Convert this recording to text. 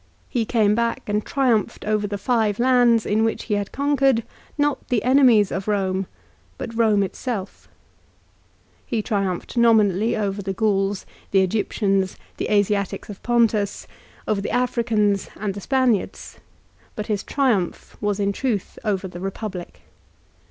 He came back and triumphed over the five lands in which he had conquered, not the enemies of Borne, but Eome itself. He triumphed nominally over the Gauls, the Egyptians, the Asiatics of Pontus, over the Africans, and the Spaniards ; but his triumph was in truth over the Eepublic.